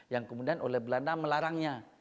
yang kemudian oleh belanda melarangnya